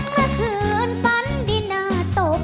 เมื่อคืนฝันดินาตก